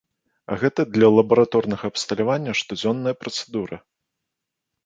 А гэта для лабараторнага абсталявання штодзённая працэдура.